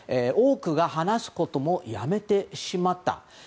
多くが話すこともやめてしまった。